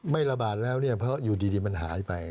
ไม่ระบาดแล้วเนี่ยเพราะอยู่ดีมันหายไป